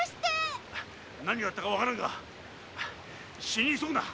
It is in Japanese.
何があったかわからぬが死に急ぐな！